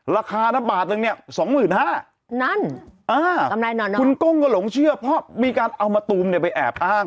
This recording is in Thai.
ราคานะบาทนึงเนี่ย๒๕๐๐บาทนั่นคุณกุ้งก็หลงเชื่อเพราะมีการเอามะตูมเนี่ยไปแอบอ้าง